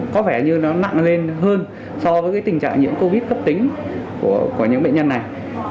có vẻ như nó nặng lên hơn so với tình trạng nhiễm covid cấp tính của những bệnh nhân này